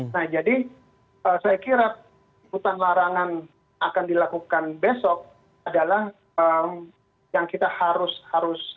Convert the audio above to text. nah jadi saya kira hutan larangan akan dilakukan besok adalah yang kita harus